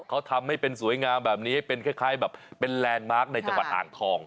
เขาทำให้เป็นสวยงามแบบนี้เป็นคล้ายแบบเป็นแลนด์มาร์คในจังหวัดอ่างทอง